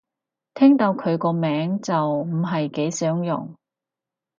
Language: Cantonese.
聽到佢個名就唔係幾想用